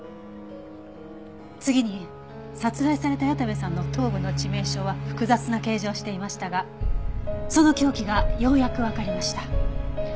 次に殺害された矢田部さんの頭部の致命傷は複雑な形状をしていましたがその凶器がようやくわかりました。